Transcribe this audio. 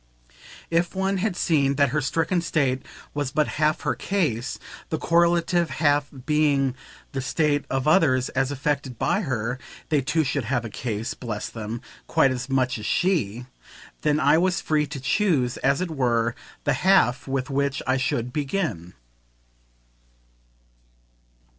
If one had seen that her stricken state was but half her case, the correlative half being the state of others as affected by her (they too should have a "case," bless them, quite as much as she!) then I was free to choose, as it were, the half with which I should begin.